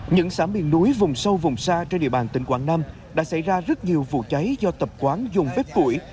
những xã miền núi vùng sâu vùng xa trên địa bàn tỉnh quảng nam đã xảy ra rất nhiều vụ cháy do tập quán dùng bếp củi